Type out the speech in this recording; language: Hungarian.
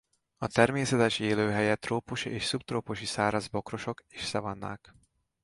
A természetes élőhelye trópusi és szubtrópusi száraz bokrosok és szavannák.